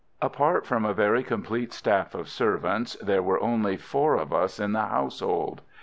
Apart from a very complete staff of servants there were only four of us in the household.